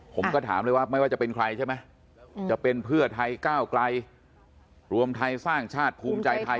ผมก็ถามเลยว่าไม่ว่าจะเป็นใครใช่ไหมจะเป็นเพื่อไทยก้าวไกลรวมไทยสร้างชาติภูมิใจไทย